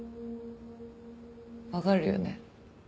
わかるよね？